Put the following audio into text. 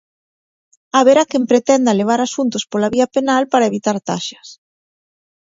Haberá quen pretenda levar asuntos pola vía penal para evitar taxas.